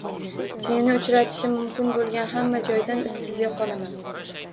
Seni uchratishim mumkin bo`lgan hamma joydan izsiz yo`qolaman